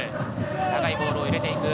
長いボールを入れていく。